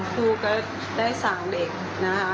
ครูก็ได้สางเหล็กนะคะ